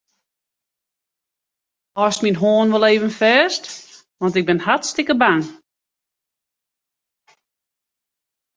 Hâldst myn hân wol even fêst, want ik bin hartstikke bang.